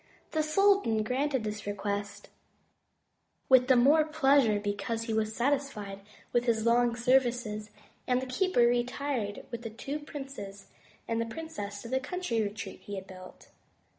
The sultan granted this request, with the more pleasure because he was satisfied with his long services, and the keeper retired with the two princes and the princess to the country retreat he had built.